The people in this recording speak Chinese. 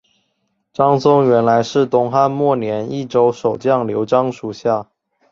张松原来是东汉末年益州守将刘璋属下。